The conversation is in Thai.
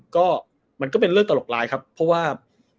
ก็มันก็เป็นเรื่องตลกร้ายครับเพราะว่า